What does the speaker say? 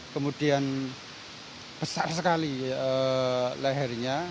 kemudian besar sekali lehernya